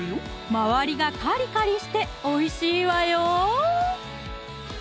周りがカリカリしておいしいわよ！